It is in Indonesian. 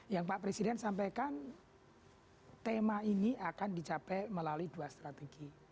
yang pak presiden sampaikan tema ini akan dicapai melalui dua strategi